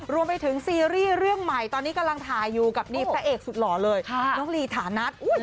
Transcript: รวมไปถึงซีรีส์เรื่องใหม่ตอนนี้กำลังถ่ายอยู่กับนี่พระเอกสุดหล่อเลยน้องลีฐานัท